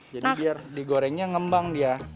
jadi biar digorengnya mengembang